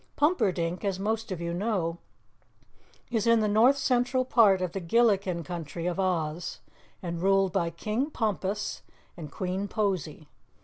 Pumperdink, as most of you know, is in the north central part of the Gilliken Country of Oz, and ruled by King Pompus and Queen Posy.